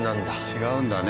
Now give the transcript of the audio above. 違うんだね